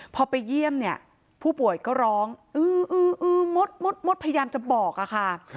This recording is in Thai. พอไปเยี่ยมเนี่ยผู้ป่วยก็ร้องอื้อมดพยายามจะบอกค่ะ